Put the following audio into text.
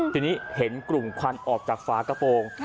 ทีนี้เห็นกลุ่มควันออกจากฝากระโปรง